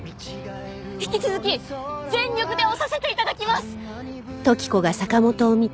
引き続き全力で推させて頂きます！